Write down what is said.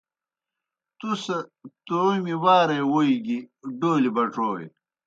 تُس تومیْ وارے ووئی گیْ ڈولیْ بڇوئے۔